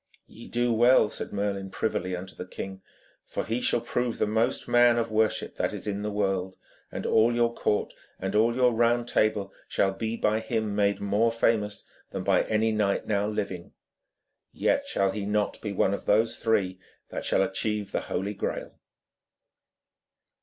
'Ye do well,' said Merlin privily unto the king, 'for he shall prove the most man of worship that is in the world, and all your court and all your Round Table shall be by him made more famous than by any knight now living. Yet shall he not be one of those three that shall achieve the Holy Graal.'